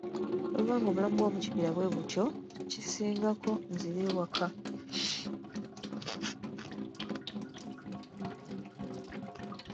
Bwe buba ng'obulamu bw'omukibira bwe butyo, kisingako nzire ewaka.